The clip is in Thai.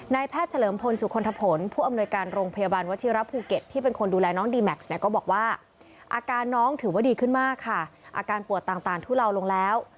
แพทย์เฉลิมพลสุคลทะผลผู้อำนวยการโรงพยาบาลวชิระภูเก็ตที่เป็นคนดูแลน้องดีแม็กซ์เนี่ยก็บอกว่าอาการน้องถือว่าดีขึ้นมากค่ะอาการปวดต่างทุเลาลงแล้ว